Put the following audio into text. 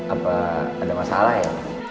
apa ada masalah ya